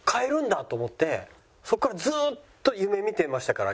そこからずっと夢見てましたから。